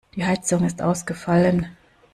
Die Heizung ist ausgefallen.